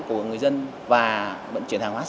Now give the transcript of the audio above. của người dân và vận chuyển hàng hóa